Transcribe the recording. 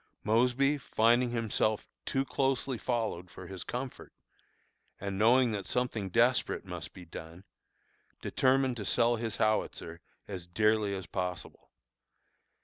Mosby, finding himself too closely followed for his comfort, and knowing that something desperate must be done, determined to sell his howitzer as dearly as possible.